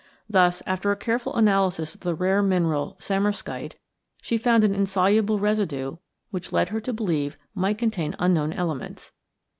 Thus, after a careful analysis of the rare mineral samarskite, she found an insoluble residue which led her to believe might contain unknown elements.